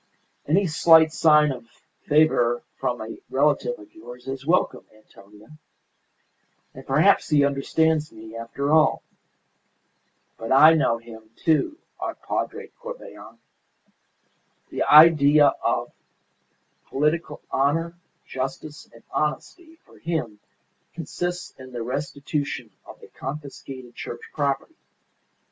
"Any slight sign of favour from a relative of yours is welcome, Antonia. And perhaps he understands me, after all! But I know him, too, our Padre Corbelan. The idea of political honour, justice, and honesty for him consists in the restitution of the confiscated Church property.